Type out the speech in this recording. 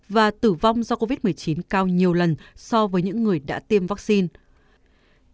và tử vong do covid một mươi chín cao nhiều lần so với những người đã tiêm vaccine